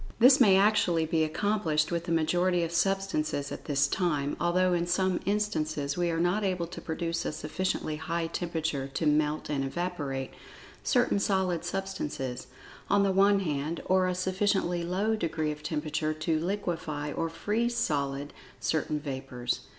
This may actually be accomplished with the majority of substances at this time, although in some instances we are not able to produce a sufficiently high temperature to "melt and evaporate" certain solid substances, on the one hand, or a sufficiently low degree of temperature to "liquify" or "freeze solid" certain vapors.